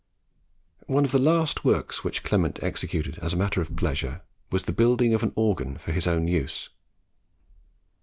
One of the last works which Clement executed as a matter of pleasure, was the building of an organ for his own use.